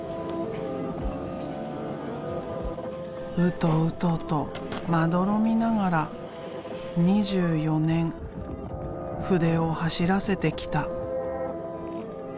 ウトウトとまどろみながら２４年筆を走らせてきた。